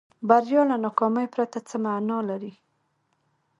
بریا له ناکامۍ پرته څه معنا لري.